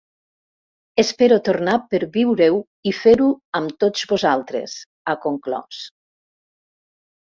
Espero tornar per viure ho i fer-ho amb tots vosaltres, ha conclòs.